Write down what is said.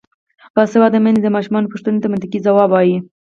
باسواده میندې د ماشومانو پوښتنو ته منطقي ځواب وايي.